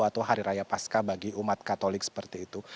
atau hari raya pasca bagi umat katolik seperti itu